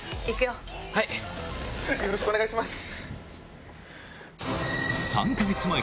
よろしくお願いします。